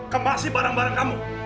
kamu masih bareng bareng kamu